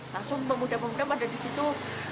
langsung pemuda pemuda pada di situ